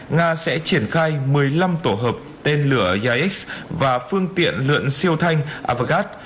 nga sẽ triển khai một mươi năm tổ hợp tên lửa y x và phương tiện lượn siêu thanh avagad